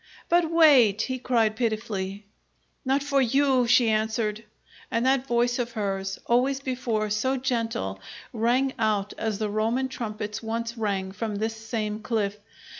"But wait," he cried pitifully. "Not for you!" she answered, and that voice of hers, always before so gentle, rang out as the Roman trumpets once rang from this same cliff.